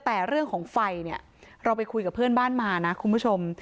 แต่เรื่องของไฟเนี่ยเราไปคุยกับเพื่อนบ้านมานะคุณผู้ชม